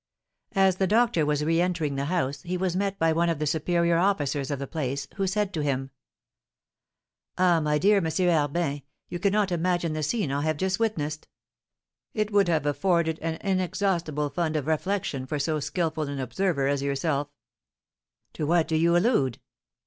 As the doctor was reëntering the house, he was met by one of the superior officers of the place, who said to him, "Ah, my dear M. Herbin, you cannot imagine the scene I have just witnessed; it would have afforded an inexhaustible fund of reflection for so skilful an observer as yourself." "To what do you allude?"